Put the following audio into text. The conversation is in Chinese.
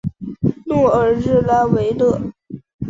诺尔日拉维勒。